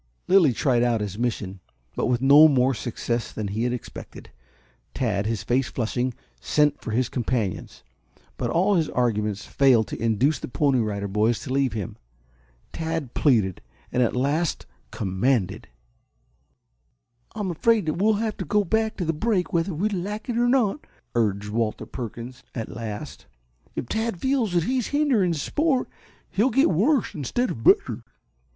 Lilly tried out his mission, but with no more success than he had expected. Tad, his face flushing, sent for his companions. But all his arguments failed to induce the Pony Rider Boys to leave him. Tad pleaded, and at last commanded. "I'm afraid we shall have to go back to the brake whether we like it or not," urged Walter Perkins at last. "If Tad feels that he is hindering sport he'll get worse instead of better."